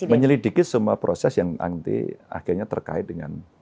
menyelidiki semua proses yang nanti akhirnya terkait dengan